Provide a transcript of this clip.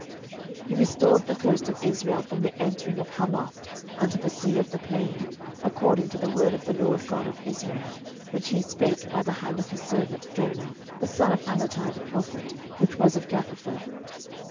12:014:025 He restored the coast of Israel from the entering of Hamath unto the sea of the plain, according to the word of the LORD God of Israel, which he spake by the hand of his servant Jonah, the son of Amittai, the prophet, which was of Gathhepher.